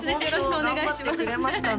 よろしくお願いします